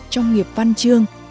trong nghiệp văn chương